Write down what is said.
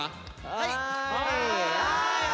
はい！